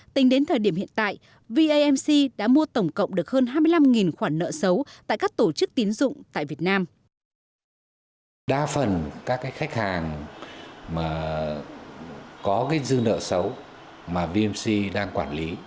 tính đến thời điểm hiện tại vamc đã mua tổng cộng được hơn hai mươi năm khoản nợ xấu